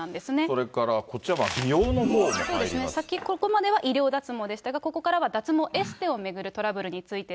それからこっちは、先ほどまでは医療脱毛でしたが、ここからは脱毛エステを巡るトラブルについて。